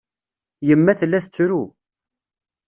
Yemma tella tettru.